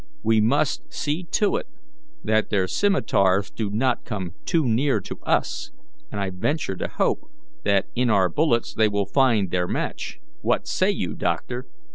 We must see to it that their scimitars do not come too near to us, and I venture to hope that in our bullets they will find their match. What say you, doctor?"